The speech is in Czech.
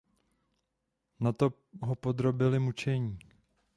Nato ho podrobili mučení.